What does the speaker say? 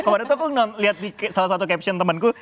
kemarin itu aku lihat di salah satu caption temanku